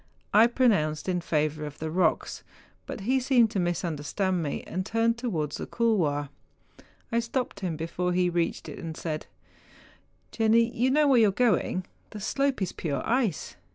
I pronounced in favour of the rocks; but he seemed to misunderstand 54 MOUNTAIN ADVENTUEES. me, and turned towards the couloir. I stopped him before he reached it, and said, ' Jenni, you know where you are going, the slope is pure ice